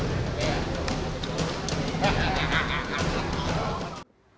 rasmani hurug cnn indonesia